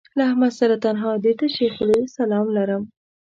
له احمد سره تنها د تشې خولې سلام لرم